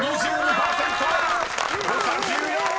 ［誤差１４！］